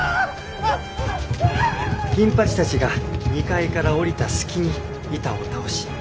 銀八たちが二階から下りた隙に板を倒し